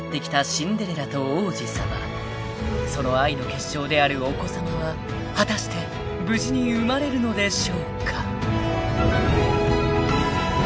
［その愛の結晶であるお子さまは果たして無事に生まれるのでしょうか？］